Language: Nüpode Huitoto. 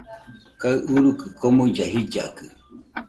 Kaɨ urukɨ komuilla jillakɨ